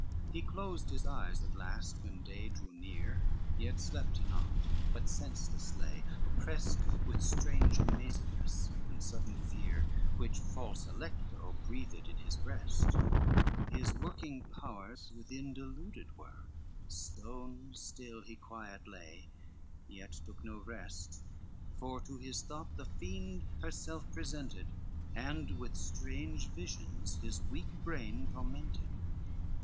LIX He closed his eyes at last when day drew near. Yet slept he not, but senseless lay opprest With strange amazedness and sudden fear Which false Alecto breathed in his breast, His working powers within deluded were, Stone still he quiet lay, yet took no rest, For to his thought the fiend herself presented, And with strange visions his weak brain tormented.